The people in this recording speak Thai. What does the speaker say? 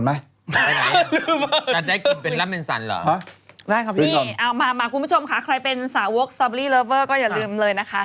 อ้อมามาคุณผู้ชมค่ะใครเป็นสาวโหกสตอบเบอร์ดเริเวอร์ก็อย่าลืมเลยนะคะ